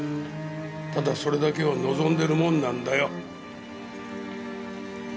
ただそれだけを望んでるもんなんだよ。